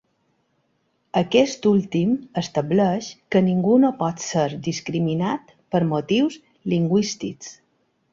Aquest últim estableix que ningú no pot ser discriminat per motius lingüístics.